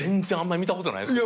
あんまり見たことない。